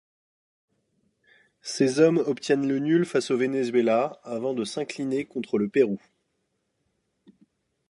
Ses hommes obtiennent le nul face au Venezuela avant de s'incliner contre le Pérou.